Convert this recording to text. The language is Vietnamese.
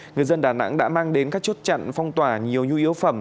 người dân đà nẵng đã mang đến các chốt chặn phong tỏa nhiều nhu yếu phẩm